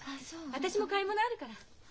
私も買い物あるから。